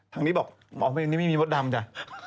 ทางนี้บอกนี่ไม่มีมดดำจ้ะ